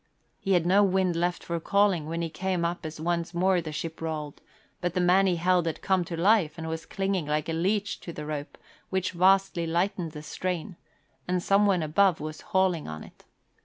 He had no wind left for calling when he came up as once more the ship rolled, but the man he held had come to life and was clinging like a leech to the rope, which vastly lightened the strain, and some one above was hauling on it.